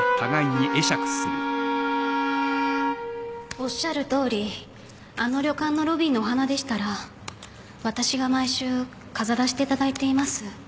おっしゃるとおりあの旅館のロビーのお花でしたら私が毎週飾らせていただいています。